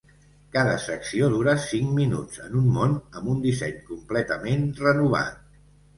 Cada secció dura cinc minuts en un món amb un disseny completament renovat.